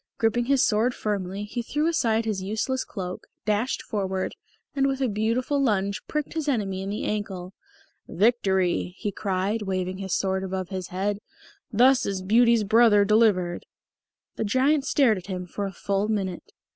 Griping his sword firmly, he threw aside his useless cloak, dashed forward, and with a beautiful lunge pricked his enemy in the ankle. "Victory!" he cried, waving his magic sword above his head. "Thus is Beauty's brother delivered!" The Giant stared at him for a full minute.